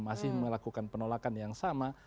masih melakukan penolakan yang sama